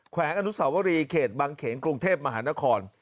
วงอนุสาวรีเขตบังเขนกรุงเทพมหานคร